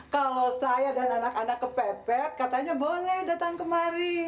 kalau saya dan anak anak kepepet katanya boleh datang kemari